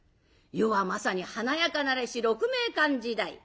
世はまさに華やかなりし鹿鳴館時代。